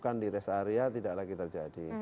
bukan di res area tidak lagi terjadi